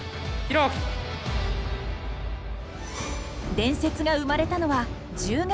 伝説が生まれたのは１０月。